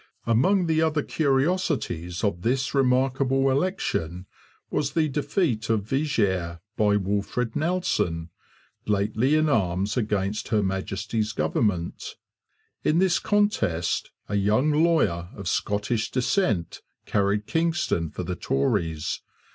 Among the other curiosities of this remarkable election was the defeat of Viger by Wolfred Nelson, lately in arms against Her Majesty's government. In this contest a young lawyer of Scottish descent carried Kingston for the Tories.